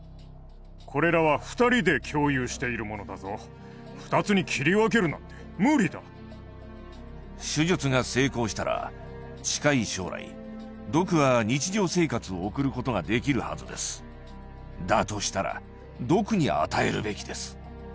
これらは２人で共有しているものだぞ２つに切り分けるなんて無理だ手術が成功したら近い将来ドクは日常生活を送ることができるはずですだとしたらドクに与えるべきです